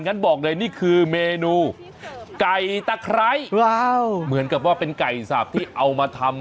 งั้นบอกเลยนี่คือเมนูไก่ตะไคร้ว้าวเหมือนกับว่าเป็นไก่สับที่เอามาทำ